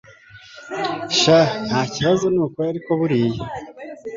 shn ntakibazo nukuri ariko buriya